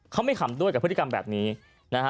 เขาไม่ขำด้วยกับพฤติกรรมแบบนี้นะฮะ